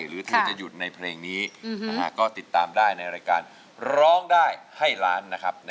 หรือเธอจะหยุดในเพลงนี้ก็ติดตามได้ในรายการร้องได้ให้ล้านนะครับ